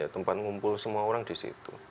tempat ngumpul semua orang di situ